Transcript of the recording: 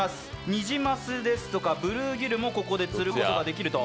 ニジマスですとかブルーギルもここで釣ることができると。